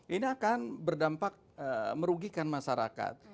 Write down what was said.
ini akan berdampak merugikan masyarakat